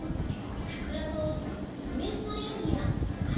サクラソウウエストリンギアアケビ。